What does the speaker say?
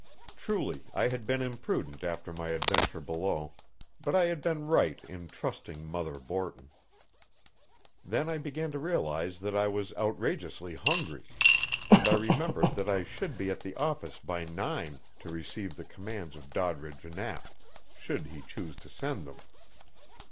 Truly I had been imprudent after my adventure below, but I had been right in trusting Mother Borton. Then I began to realize that I was outrageously hungry, and I remembered that I should be at the office by nine to receive the commands of Doddridge Knapp, should he choose to send them.